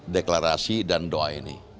deklarasi dan doa ini